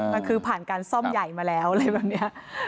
มันคือผ่านการซ่อมใหญ่มาแล้วอะไรแบบนี้